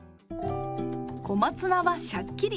小松菜はシャッキリ！